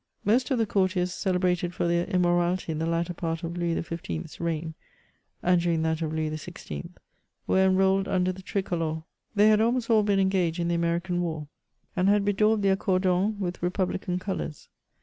Most of the courtiers celebrated for their immorality in the latter part of Louis XV.'s reign, and during that of Louis XVI., were enrolled under the tricolor ; they had almost all been engaged in the American war, and had bedaubed their r2 224 MEMoms OF cordons with republican coloon.